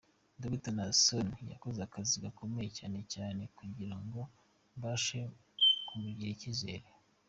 Dr Naasson yakoze akazi gakomeye cyane cyane kugirango mbashe ku mugirira icyizere.